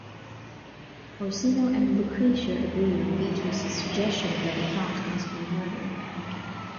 Orsino and Lucretia agree with Beatrice's suggestion that the Count must be murdered.